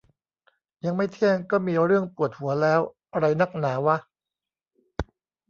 ยังไม่เที่ยงก็มีเรื่องปวดหัวแล้ว อะไรนักหนาวะ